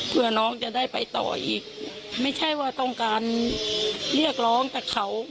เพื่อน้องจะได้ไปต่ออีกไม่ใช่ว่าต้องการเรียกร้องจากเขา